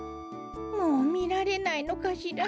もうみられないのかしら。